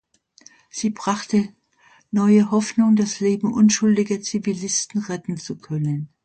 Sie brachte neue Hoffnung, das Leben unschuldiger Zivilisten retten zu können.